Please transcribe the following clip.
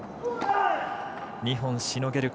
２本しのげるか。